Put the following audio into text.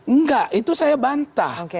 enggak itu saya bantah